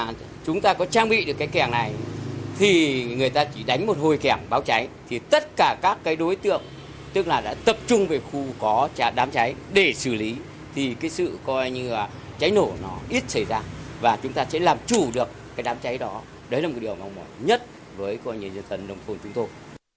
nếu chúng ta có trang bị được cái kẻng này thì người ta chỉ đánh một hồi kẻng báo cháy thì tất cả các đối tượng tức là đã tập trung về khu có đám cháy để xử lý thì cái sự coi như là cháy nổ nó ít xảy ra và chúng ta sẽ làm chủ được cái đám cháy đó đấy là một điều mong mỏi nhất với dân tân đồng phùng chúng tôi